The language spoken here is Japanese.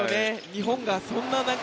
日本がそんな